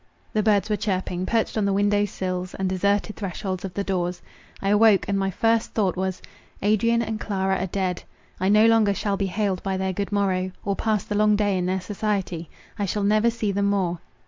The birds were chirping, perched on the windows sills and deserted thresholds of the doors. I awoke, and my first thought was, Adrian and Clara are dead. I no longer shall be hailed by their good morrow—or pass the long day in their society. I shall never see them more.